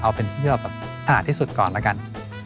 เอาเป็นที่เราแบบถนัดที่สุดก่อนแล้วกัน